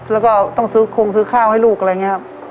แล้วก็ต้องซื้อคงซื้อข้าวให้ลูกอะไรอย่างนี้ครับ